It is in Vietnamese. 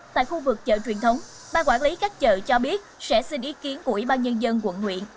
tại khu vực chợ truyền thống ban quản lý các chợ cho biết sẽ xin ý kiến của ủy ban nhân dân quận nguyện